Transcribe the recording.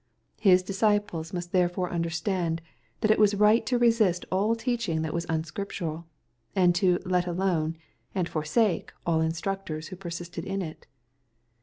— His disciples must therefore understand that it was right to resist all teaching that was unscrip tural, and to " let alone," and forsake all instructors who persisted in it.